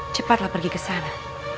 cepatlah pergi ke sana